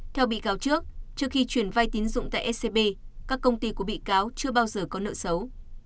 theo bị cáo trước trước khi chuyển vai tín dụng tại scb các công ty của bị cáo chưa bao giờ có nợ xấu